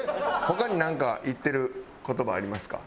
他になんか言ってる言葉はありますか？